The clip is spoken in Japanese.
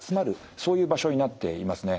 そういう場所になっていますね。